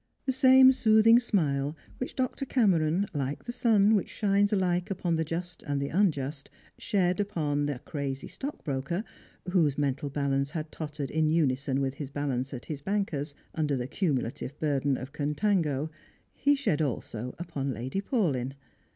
'' The same smoothing smile which Dr. Cameron, hke the sun which shines ahke upon the just and the unjust, shed upon a crazy stockbroker whose mental balance had tottered in unison with his balance at his banker's, under the cumulative burden of contango, he shed also upon Lady Paulyn.